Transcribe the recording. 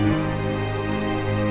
warga yang pesan